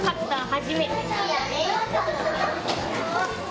初めて。